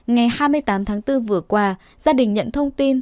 ngày hai mươi tám tháng bốn vừa qua gia đình nhận thông tin